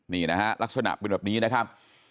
นี่นะฮะลักษณะเป็นแบบนี้นะครับ